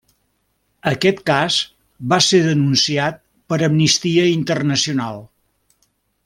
Aquest cas va ser denunciat per Amnistia Internacional.